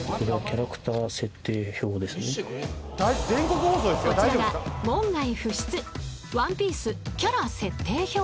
［こちらが門外不出『ワンピース』キャラ設定表］